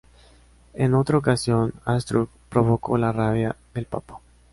En otra ocasión, Astruc provocó la rabia del papa.